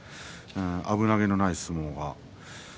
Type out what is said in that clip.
危なげのない相撲です。